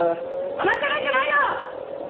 甘ったれんじゃないよ！